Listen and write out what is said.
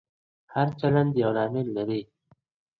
هر چلند یو لامل لري.